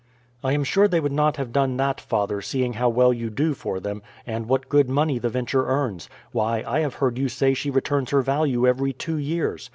"I am sure they would not have done that, father, seeing how well you do for them, and what good money the Venture earns. Why, I have heard you say she returns her value every two years.